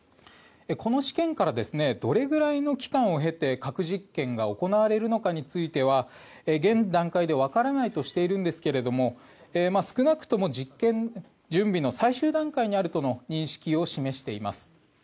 この試験からどれぐらいの期間を経て核実験が行われるのかについては現段階で分からないとしているんですけれども少なくとも実験準備の最終段階にあるとの認識を示しています。